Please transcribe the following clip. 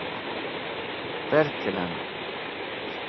Pẽrkẽlẽm